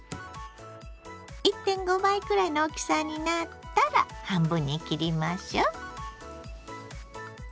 １．５倍くらいの大きさになったら半分に切りましょう。